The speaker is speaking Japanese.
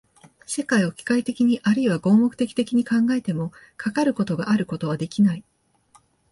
世界を機械的にあるいは合目的的に考えても、かかることがあることはできない。